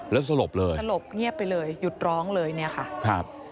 แล้วสลบเลยสลบเงียบไปเลยหยุดร้องเลยเนี่ยค่ะครับ